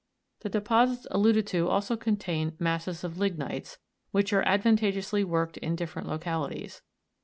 The deposits alluded to also contain masses of lignites, which arc advan tageously worked in different localities.